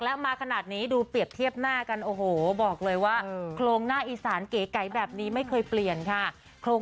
แล้วขอตามไปรุ่นใหญ่นิดนึงก็ละกันอ่ะคุณผู้ชม